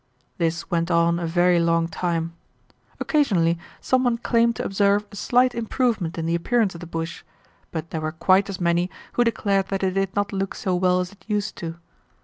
This went on a very long time. Occasionally some one claimed to observe a slight improvement in the appearance of the bush, but there were quite as many who declared that it did not look so well as it used to.